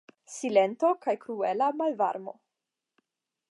Silento kaj kruela malvarmo.